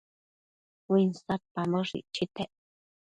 uinsadpamboshë icchitec